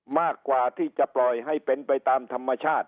มากกว่าที่จะปล่อยให้เป็นไปตามธรรมชาติ